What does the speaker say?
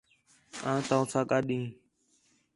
آں تَؤساں ڳڈھ ہیں